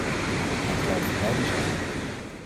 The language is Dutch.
Dat geldt voor beide zijden.